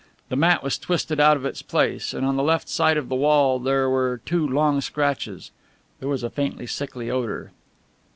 The mat was twisted out of its place, and on the left side of the wall there were two long scratches. There was a faint sickly odour.